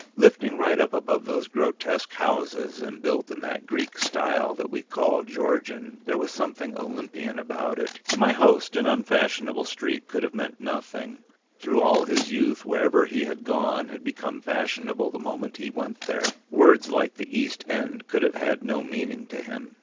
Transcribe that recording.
Lifting right up above those grotesque houses and built in that Greek style that we call Georgian, there was something Olympian about it. To my host an unfashionable street could have meant nothing, through all his youth wherever he had gone had become fashionable the moment he went there; words like the East End could have had no meaning to him.